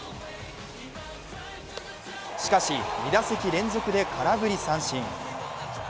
しかし、２打席連続で空振り三振。